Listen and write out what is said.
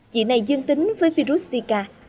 chị này duyên tính với virus zika